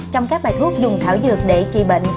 trong các bài thuốc dùng thảo dược để trị bệnh